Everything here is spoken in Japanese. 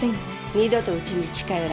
二度とうちに近寄らないで。